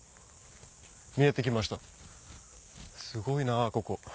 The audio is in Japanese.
すごいなここ。